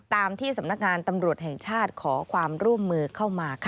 ตามที่สำนักงานตำรวจแห่งชาติขอความร่วมมือเข้ามา